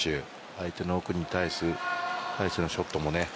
相手の奥に対してのショットもね。